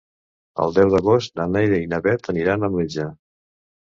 El deu d'agost na Neida i na Bet aniran al metge.